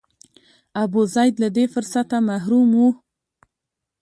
ابوزید له دې فرصته محروم و.